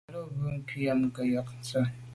A lo be be kwinyàm ke yon nse’e.